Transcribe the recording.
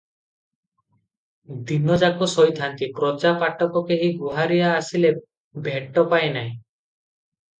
ଦିନଯାକ ଶୋଇଥାନ୍ତି, ପ୍ରଜା ପାଟକ କେହି ଗୁହାରିଆ ଆସିଲେ ଭେଟ ପାଏ ନାହିଁ ।